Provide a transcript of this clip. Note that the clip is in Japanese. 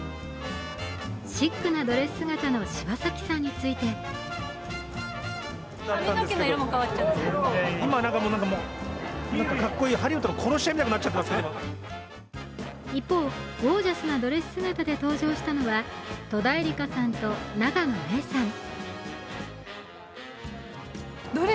シックなドレス姿の柴咲さんについて一方、ゴージャスなドレス姿で登場したのは戸田恵梨香さんと永野芽郁さん。